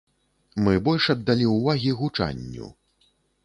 Мы больш аддалі ўвагі гучанню.